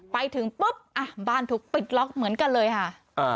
ไปถึงปุ๊บอ่ะบ้านถูกปิดล็อกเหมือนกันเลยค่ะ